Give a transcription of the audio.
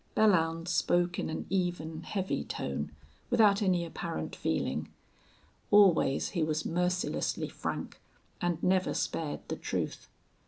Belllounds spoke in an even, heavy tone, without any apparent feeling. Always he was mercilessly frank and never spared the truth.